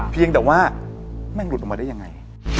เพียงแต่ว่าแม่งหลุดออกมาได้ยังไง